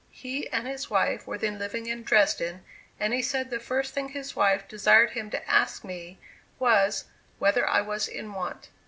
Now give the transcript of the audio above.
He and his wife were then living in Dresden, and he said the first thing his wife desired him to ask me was, whether I was in want.